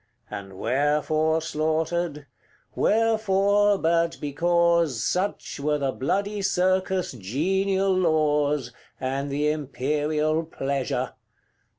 And wherefore slaughtered? wherefore, but because Such were the bloody circus' genial laws, And the imperial pleasure.